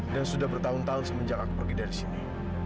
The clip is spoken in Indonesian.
dan sudah bertahun tahun semenjak aku pergi dari sini